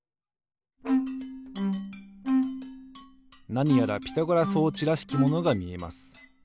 なにやらピタゴラ装置らしきものがみえます。